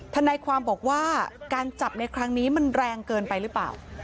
ทนายความบอกว่าการจับในครั้งนี้มันแรงเกินไปหรือเปล่า